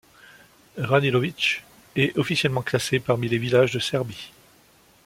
Ranilović est officiellement classé parmi les villages de Serbie.